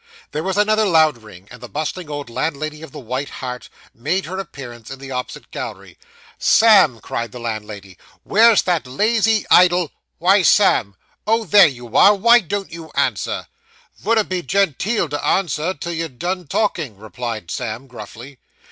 There was another loud ring; and the bustling old landlady of the White Hart made her appearance in the opposite gallery. 'Sam,' cried the landlady, 'where's that lazy, idle why, Sam oh, there you are; why don't you answer?' 'Vouldn't be gen teel to answer, till you'd done talking,' replied Sam gruffly.